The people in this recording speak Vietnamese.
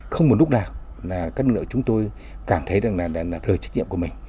không có lúc nào là các lực lượng chúng tôi cảm thấy rời trách nhiệm của mình